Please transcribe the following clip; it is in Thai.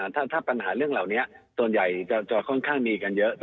ถ้าปัญหาเรื่องเหล่านี้ส่วนใหญ่จะค่อนข้างมีกันเยอะ